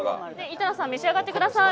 井戸田さん召し上がってください。